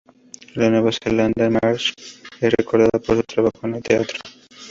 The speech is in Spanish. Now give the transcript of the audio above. En Nueva Zelanda, Marsh es recordada por su trabajo en el teatro.